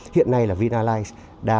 hiện nay là vinalize